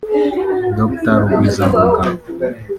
Dr Rugwizangoga